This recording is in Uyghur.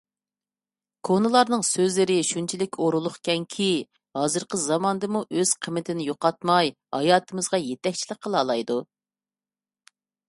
كونىلارنىڭ سۆزلىرى شۇنچىلىك ئورۇنلۇقكەنكى، ھازىرقى زاماندىمۇ ئۆز قىممىتىنى يوقاتماي، ھاياتىمىزغا يېتەكچىلىك قىلالايدۇ.